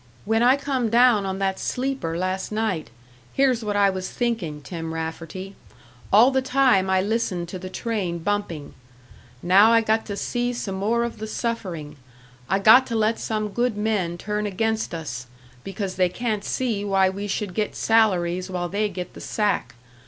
When I come down on that sleeper last night, here's what I was thinking, Tim Rafferty all the time I listened to the train bumping 'Now I got to see some more of the suffering, I got to let some good men turn against us, because they can't see why we should get salaries while they get the sack.